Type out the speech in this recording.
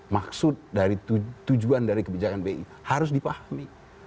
maksud dari tujuan dari kebijakan bi harus dipahami